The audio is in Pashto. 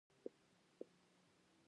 دوی خپل خوبونه پر یو ښکلي حقیقت بدل کړل